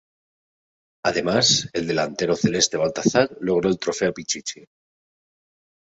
Además, el delantero celeste Baltazar logró el trofeo Pichichi.